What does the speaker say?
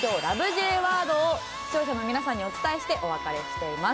Ｊワードを視聴者の皆さんにお伝えしてお別れしています。